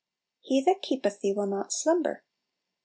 "He that keepeth thee will not slumber."